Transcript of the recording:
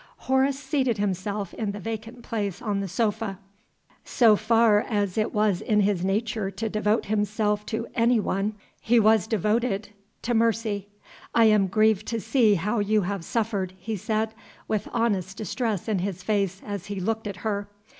Horace seated himself in the vacant place on the sofa. So far as it was in his nature to devote himself to any one he was devoted to Mercy. "I am grieved to see how you have suffered," he said, with honest distress in his face as he looked at her.